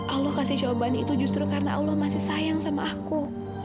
allah kasih jawaban itu justru karena allah masih sayang sama aku